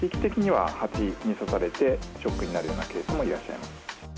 蜂に刺されて、ショックになるようなケースもいらっしゃいます。